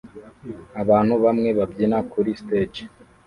Abantu bamwe babyina kuri stage